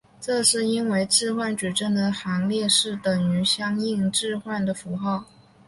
这是因为置换矩阵的行列式等于相应置换的符号。